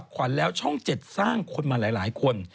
ขวัญแล้วช่อง๗สร้างคนมาหลายคน